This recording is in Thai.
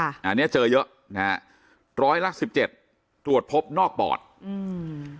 อันเนี้ยเจอเยอะนะฮะร้อยละสิบเจ็ดตรวจพบนอกปอดอืม